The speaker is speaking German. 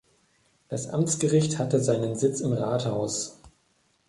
Das Amtsgericht hatte seinen Sitz im Rathaus.